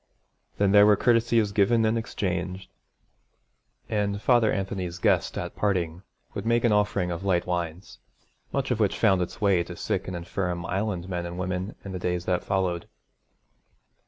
Then there were courtesies given and exchanged; and Father Anthony's guest at parting would make an offering of light wines, much of which found its way to sick and infirm Island men and women in the days that followed.